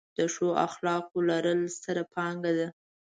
د ښو اخلاقو لرل، ستره پانګه ده.